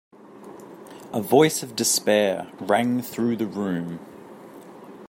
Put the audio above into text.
A voice of despair rang through the room.